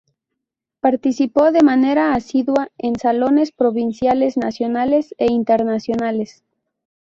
Participó de manera asidua en salones provinciales, nacionales e internacionales.